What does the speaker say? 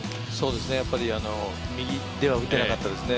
やっぱり右では打てなかったですね。